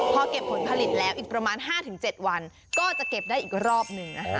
พอเก็บผลผลิตแล้วอีกประมาณ๕๗วันก็จะเก็บได้อีกรอบหนึ่งนะคะ